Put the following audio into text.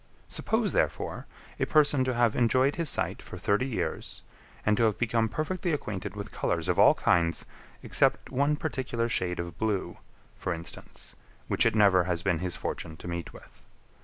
Suppose, therefore, a person to have enjoyed his sight for thirty years, and to have become perfectly acquainted with colours of all kinds except one particular shade of blue, for instance, which it never has been his fortune to meet with.